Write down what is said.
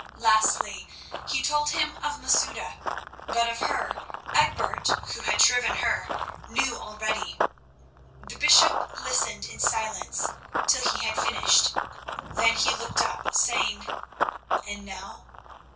Lastly, he told him of Masouda, but of her Egbert, who had shriven her, knew already. The bishop listened in silence till he had finished. Then he looked up, saying: "And now?"